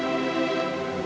pasti akan menang